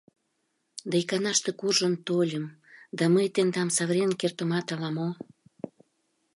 Да иканаште куржын тольым, да мый тендам савырен кертымат ала-мо.